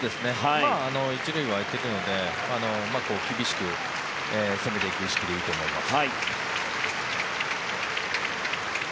１塁は空いてるので厳しく攻めていく意識でいいと思います。